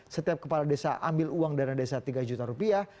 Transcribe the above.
setiap kepala desa ambil uang dana desa tiga juta rupiah